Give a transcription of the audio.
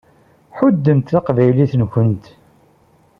Ḥuddemt taqbaylit-nkent.